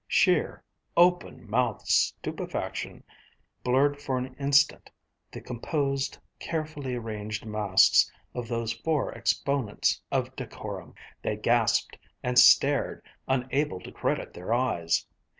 Sheer, open mouthed stupefaction blurred for an instant the composed, carefully arranged masks of those four exponents of decorum. They gaped and stared, unable to credit their eyes.